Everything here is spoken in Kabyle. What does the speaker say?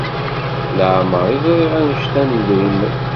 Leɛmeṛ i ẓṛiɣ annect-a n yedrimen.